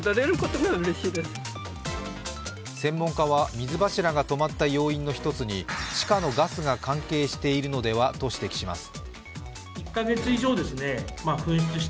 専門家は、水柱が止まった要因の一つに地下のガスが関係しているのではと指摘します。